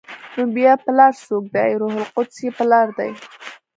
نو بیا پلار څوک دی؟ روح القدس یې پلار دی؟